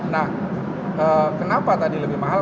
nah kenapa tadi lebih mahal